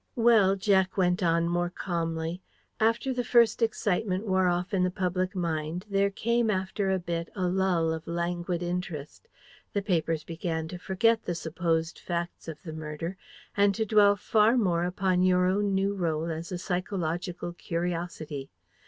"Well," Jack went on more calmly, "after the first excitement wore off in the public mind, there came after a bit a lull of languid interest; the papers began to forget the supposed facts of the murder, and to dwell far more upon your own new role as a psychological curiosity.